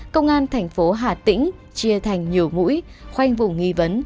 công an thành phố hà tĩnh chia thành nhiều mũi khoanh vùng nghi vấn